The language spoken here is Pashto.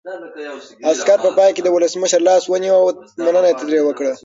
عسکر په پای کې د ولسمشر لاس ونیو او ترې مننه یې وکړه.